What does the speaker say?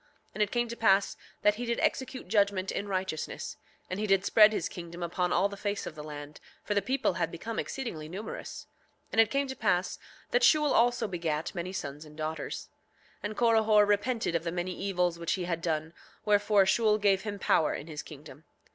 7:11 And it came to pass that he did execute judgment in righteousness; and he did spread his kingdom upon all the face of the land, for the people had become exceedingly numerous. 7:12 And it came to pass that Shule also begat many sons and daughters. 7:13 And Corihor repented of the many evils which he had done; wherefore Shule gave him power in his kingdom.